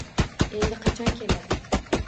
— Endi qachon keladi?